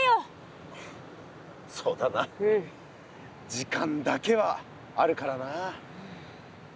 時間だけはあるからな。